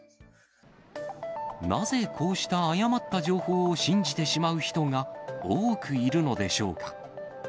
なぜこうした誤った情報を信じてしまう人が多くいるのでしょうか。